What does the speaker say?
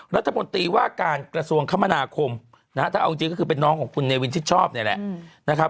รัฐมนตรีว่าการกระทรวงคมนาคมนะฮะถ้าเอาจริงก็คือเป็นน้องของคุณเนวินชิดชอบเนี่ยแหละนะครับ